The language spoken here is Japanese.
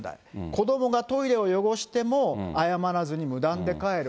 子どもがトイレを汚しても謝らずに無断で帰る。